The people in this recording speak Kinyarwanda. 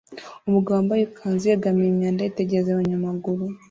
Umugabo wambaye ikanzu yegamiye imyanda yitegereza abanyamaguru